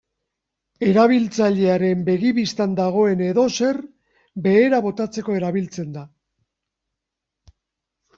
Erabiltzailearen begi bistan dagoen edozer behera botatzeko erabiltzen da.